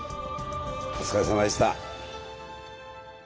お疲れさまでした。